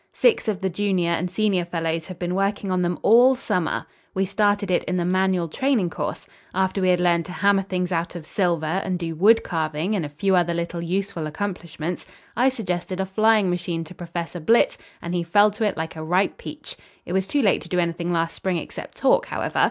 Six of the junior and senior fellows have been working on them all summer. We started it in the manual training course. After we had learned to hammer things out of silver, and do wood carving and a few other little useful accomplishments, I suggested a flying machine to Professor Blitz and he fell to it like a ripe peach. It was too late to do anything last spring except talk, however.